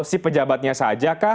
atau si pejabatnya saja